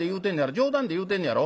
冗談で言うてんねやろ？